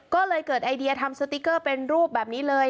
ก็เลยเกิดไอเดียทำสติ๊กเกอร์เป็นรูปแบบนี้เลย